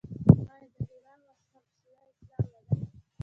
آیا د ایران مذهب شیعه اسلام نه دی؟